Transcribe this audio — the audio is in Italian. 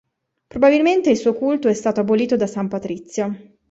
Probabilmente il suo culto è stato abolito da San Patrizio.